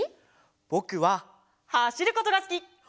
ぼくははしることがすき！